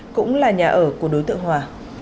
cũng là nhà ở của đối tượng hòa